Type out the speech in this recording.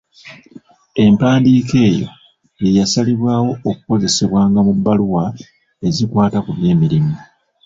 Empandiika eyo ye yasalibwawo okukozesebwanga mu bbaluwa ezikwata ku byemirimu